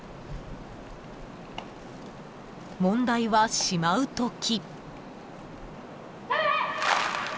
［問題はしまうとき］